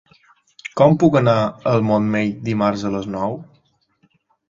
Com puc anar al Montmell dimarts a les nou?